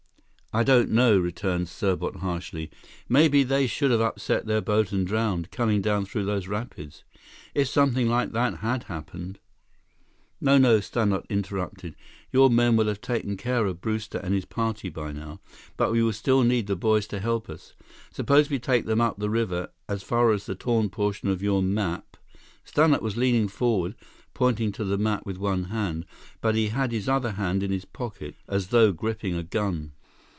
"I don't know," returned Serbot harshly. "Maybe they should have upset their boat and drowned, coming down through those rapids. If something like that had happened—" "No, no," Stannart interrupted. "Your men will have taken care of Brewster and his party by now. But we still need the boys to help us. Suppose we take them up the river, as far as the torn portion of your map—" Stannart was leaning forward, pointing to the map with one hand, but he had his other hand in his pocket, as though gripping a gun.